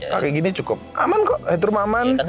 pakai gini cukup aman kok headroom aman